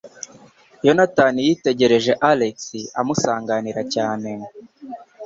Yonatani yitegereza Alex, amusanganira cyane.